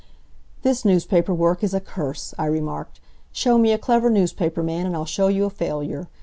"This newspaper work is a curse," I remarked. "Show me a clever newspaper man and I'll show you a failure.